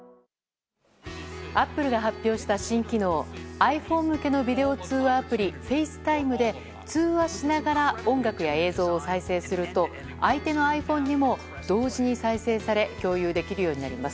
ｉＰｈｏｎｅ向けのビデオ通話アプリＦａｃｅＴｉｍｅで通話しながら音楽や映像を再生すると相手のｉＰｈｏｎｅにも同時に再生され共有できるようになります。